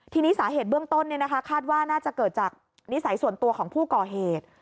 ทีนี้สาเหตุเบื้องต้นคาดว่าน่าจะเกิดจากนิสัยส่วนตัวของผู้ก่อเหตุ